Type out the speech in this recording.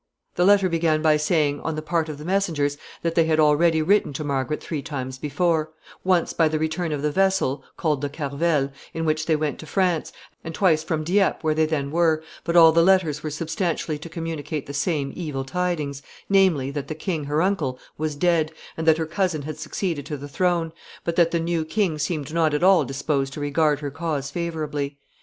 [Sidenote: Their letter.] The letter began by saying, on the part of the messengers, that they had already written to Margaret three times before; once by the return of the vessel, called the Carvel, in which they went to France, and twice from Dieppe, where they then were, but all the letters were substantially to communicate the same evil tidings, namely, that the king, her uncle, was dead, and that her cousin had succeeded to the throne, but that the new king seemed not at all disposed to regard her cause favorably.